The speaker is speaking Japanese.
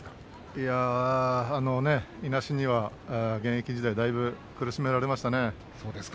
いやああのいなしには現役時代だいぶ苦しめられました。